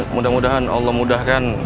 mudah mudahan allah mudahkan